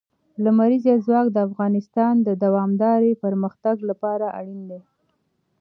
لمریز ځواک د افغانستان د دوامداره پرمختګ لپاره اړین دي.